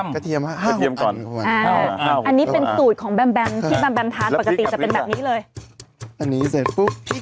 พี่มดดำตำแซ่บ